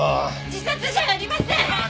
自殺じゃありません！